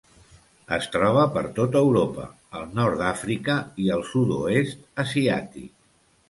Es troba per tot Europa, el nord d'Àfrica i el sud-oest asiàtic.